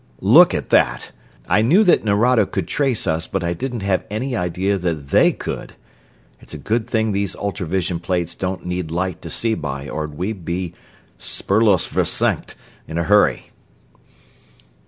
"Look at that! I knew that Nerado could trace us, but I didn't have any idea that they could. It's a good thing these ultra vision plates don't need light to see by or we'd be 'spurlos versenkt' in a hurry!"